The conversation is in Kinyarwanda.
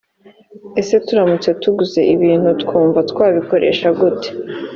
ese turamutse tuguze ibintu twumva twabikoresha gute.